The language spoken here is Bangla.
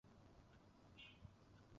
তারপরও আমি আমার নিজস্ব দিক থেকে মত দিচ্ছি।